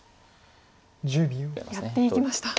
やっていきました。